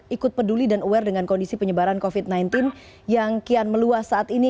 ikut peduli dan aware dengan kondisi penyebaran covid sembilan belas yang kian meluas saat ini